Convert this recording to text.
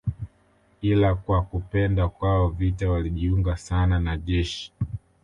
Ila kwa kupenda kwao vita walijiunga sana na jeshi